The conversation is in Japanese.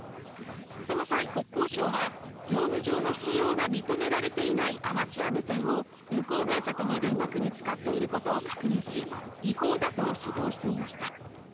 その際国交省は業務上の使用が認められていないアマチュア無線を運航会社との連絡に使っていることを確認し違法だと指導していました